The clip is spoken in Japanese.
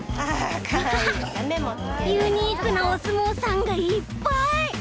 ユニークなおすもうさんがいっぱい！